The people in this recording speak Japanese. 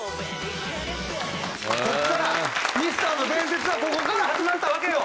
ここからミスターの伝説はここから始まったわけよ。